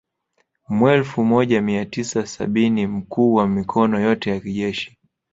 Mwelfu moja mia tisa sabini mkuu wa mikono yote ya kijeshi